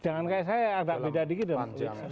jangan kayak saya agak beda dikit dong